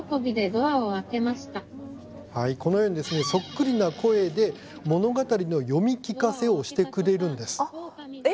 このようにそっくりな声で物語の読み聞かせをしてくれるんです。え？